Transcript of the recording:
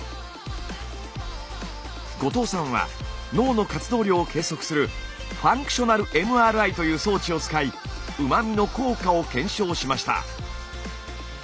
後藤さんは脳の活動量を計測するファンクショナルＭＲＩという装置を使いうま味の効果を検証しました。